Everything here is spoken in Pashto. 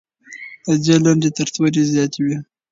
د دې لنډۍ تر تورې زیاتې وې.